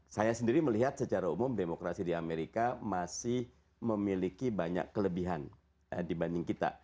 saya sendiri melihat secara umum demokrasi di amerika masih memiliki banyak kelebihan dibanding kita